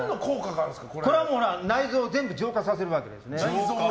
これは内臓を全部浄化させるわけです。